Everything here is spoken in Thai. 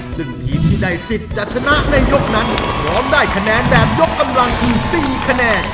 ซึ่งทีมที่ได้สิทธิ์จะชนะในยกนั้นพร้อมได้คะแนนแบบยกกำลังคือ๔คะแนน